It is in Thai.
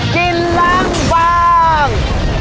กินล้างบาง